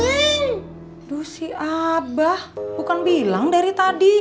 aduh si abah bukan bilang dari tadi